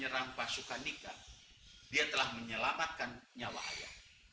berwho lehnya andre